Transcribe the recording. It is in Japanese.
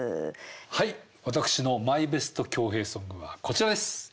はい私のマイベスト京平ソングはこちらです。